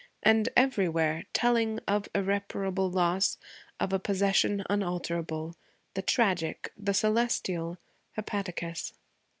And, everywhere, telling of irreparable loss, of a possession unalterable, the tragic, the celestial hepaticas.